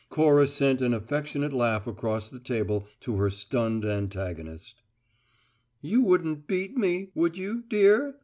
Cora sent an affectionate laugh across the table to her stunned antagonist. "You wouldn't beat me, would you, dear?"